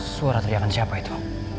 suara teriakan siapa itu